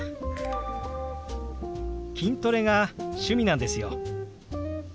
筋トレが趣味なんですよ。